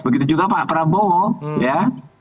begitu juga pak prabowo ya